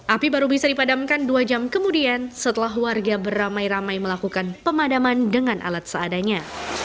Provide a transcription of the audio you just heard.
api baru bisa dipadamkan dua jam kemudian setelah warga beramai ramai melakukan pemadaman dengan alat seadanya